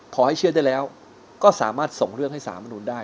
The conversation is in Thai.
พอให้เชื่อได้แล้วก็สามารถส่งเรื่องให้สามนุนได้